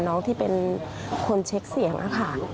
น้องที่เป็นคนเช็คเสียงนะคะ